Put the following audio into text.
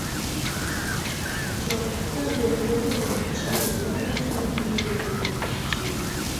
Ka dendi opong' gi chilo, mano nyiso ni chunyi bende opong' gi chilo.